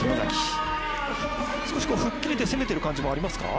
少し吹っ切れて攻められている感じもありますか。